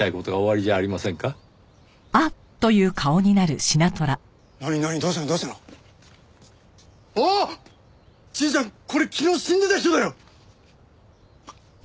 じいちゃんこれ昨日死んでた人だよ！